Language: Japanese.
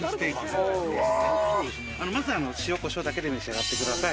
まず塩こしょうだけで召し上がってください。